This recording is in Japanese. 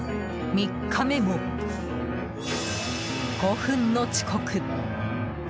３日目も、５分の遅刻。